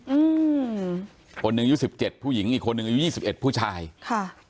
อืมคนหนึ่งอายุสิบเจ็ดผู้หญิงอีกคนหนึ่งอายุยี่สิบเอ็ดผู้ชายค่ะ